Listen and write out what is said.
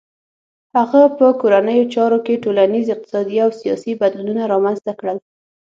هغه په کورنیو چارو کې ټولنیز، اقتصادي او سیاسي بدلونونه رامنځته کړل.